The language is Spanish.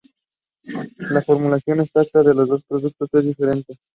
La formulación exacta de los dos productos es diferente.